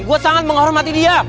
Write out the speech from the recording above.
gue sangat menghormati dia